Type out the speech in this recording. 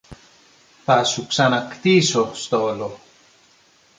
Θα σου ξαναχτίσω στόλο